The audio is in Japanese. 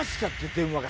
電話が。